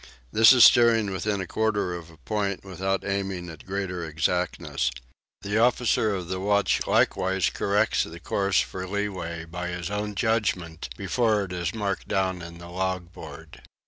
This is steering within a quarter of a point, without aiming at greater exactness. The officer of the watch likewise corrects the course for leeway by his own judgment before it is marked down in the log board.